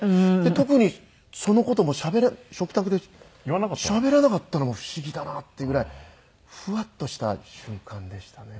特にその事も食卓でしゃべらなかったのも不思議だなっていうぐらいふわっとした瞬間でしたね。